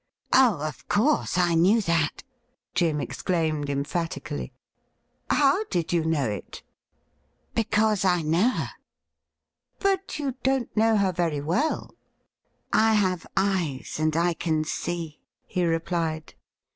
' Oh, of course, I knew that,' Jim exclaimed emphatically. ' How did you know it ?'' Because I know her.' ' But you don't know her very well .?'' I have eyes, and I can see,' he replied.